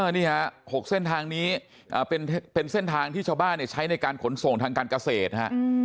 นี่ฮะ๖เส้นทางนี้เป็นเส้นทางที่ชาวบ้านใช้ในการขนส่งทางการเกษตรนะฮะ